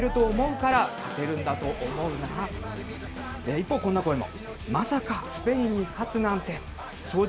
一方、こんな声も。